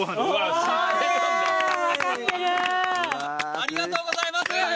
ありがとうございます！